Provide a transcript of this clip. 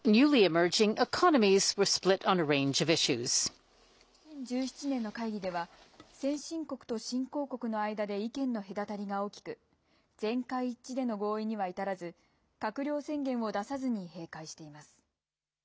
前回・２０１７年の会議では、先進国と新興国の間で意見の隔たりが大きく、全会一致での合意には至らず、閣僚宣言を出さずに閉会しています。